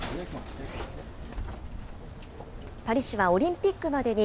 パリ市はオリンピックまでに、